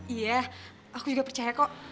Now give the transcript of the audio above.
iya aku juga percaya kok